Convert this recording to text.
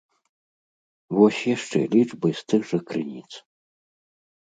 Вось яшчэ лічбы з тых жа крыніц.